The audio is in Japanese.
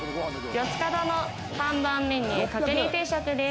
四つ角の看板メニュー、角煮定食です。